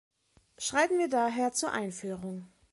Schreiten wir daher zur Einführung.